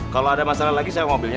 kalau ada masalah lagi saya mau ambilnya